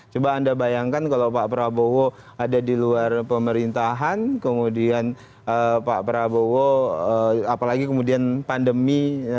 coba anda bayangkan kalau pak prabowo ada di luar pemerintahan kemudian pak prabowo apalagi kemudian pandemi